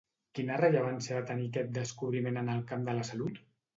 Quina rellevància va tenir aquest descobriment en el camp de la salut?